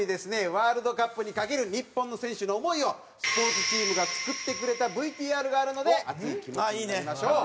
ワールドカップに懸ける日本の選手の思いをスポーツチームが作ってくれたＶＴＲがあるので熱い気持ちになりましょう！